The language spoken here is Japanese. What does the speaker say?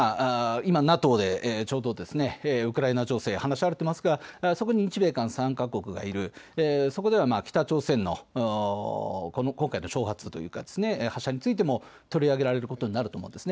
今ＮＡＴＯでちょうどウクライナ情勢、話し合われていますがそこに日米韓３か国がいる、そこでは北朝鮮の今回の挑発、発射についても取り上げることになると思います。